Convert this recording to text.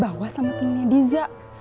bawa sama temennya diza